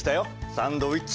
サンドイッチ。